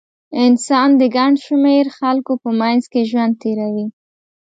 انسان د ګڼ شمېر خلکو په منځ کې ژوند تېروي.